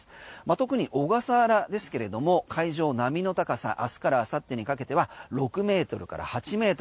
特に小笠原ですけれども海上、波の高さ明日から明後日にかけては６ｍから８ｍ。